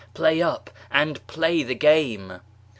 play up! and play the game!"